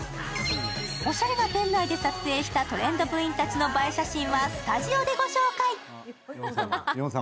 おしゃれな店内で撮影したトレンド部員たちの映え写真はスタジオでご紹介。